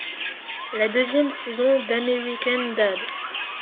La deuxième saison dAmerican Dad!